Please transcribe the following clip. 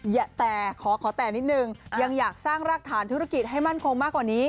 แต่ขอแต่นิดนึงยังอยากสร้างรากฐานธุรกิจให้มั่นคงมากกว่านี้